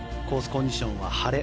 コンディションは晴れ。